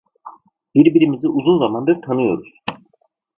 Birbirimizi uzun zamandır tanıyoruz.